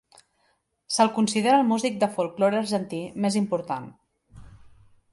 Se'l considera el músic de folklore argentí més important.